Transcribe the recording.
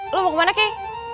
lo mau kemana kay